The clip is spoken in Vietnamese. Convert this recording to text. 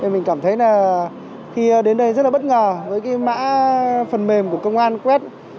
mình cảm thấy là khi đến đây rất là bất ngờ với cái mã phần mềm của công an quét